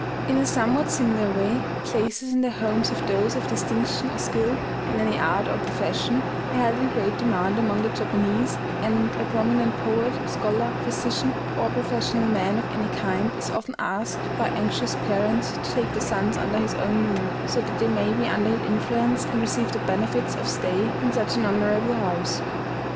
In a somewhat similar way, places in the homes of those of distinction or skill in any art or profession are held in great demand among the Japanese; and a prominent poet, scholar, physician, or professional man of any kind is often asked by anxious parents to take their sons under his own roof, so that they may be under his influence, and receive the benefits of stay in such an honorable house.